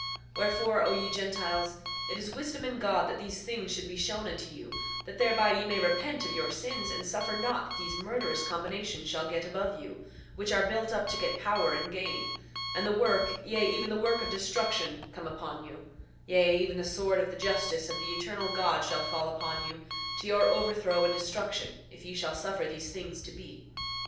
8:23 Wherefore, O ye Gentiles, it is wisdom in God that these things should be shown unto you, that thereby ye may repent of your sins, and suffer not that these murderous combinations shall get above you, which are built up to get power and gain—and the work, yea, even the work of destruction come upon you, yea, even the sword of the justice of the Eternal God shall fall upon you, to your overthrow and destruction if ye shall suffer these things to be.